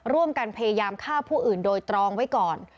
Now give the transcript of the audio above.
ร่วมกันพยายามฆ่าผู้อื่นโดยตรองไว้ก่อน